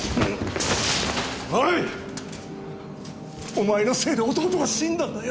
お前のせいで弟は死んだんだよ。